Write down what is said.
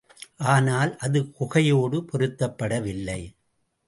ஆனால், அது குகையோடு பொருத்தப்படவில்லை.